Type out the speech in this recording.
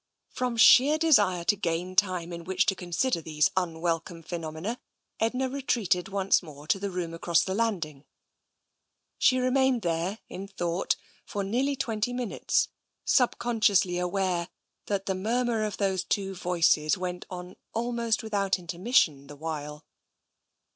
From sheer desire to gain time in which to consider these unwelcome phenomena, Edna retreated once more to the room across the landing. She remained there in thought for nearly twenty minutes, subconsciously aware that the murmur of those two voices went on almost without intermission the while.